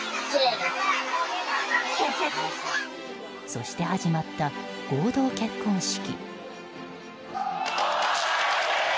そして始まった合同結婚式。